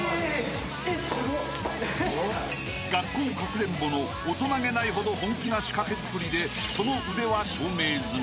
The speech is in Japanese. ［学校かくれんぼの大人げないほど本気な仕掛けづくりでその腕は証明済み］